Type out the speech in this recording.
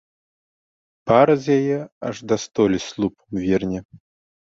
Пара з яе аж да столі слупам верне.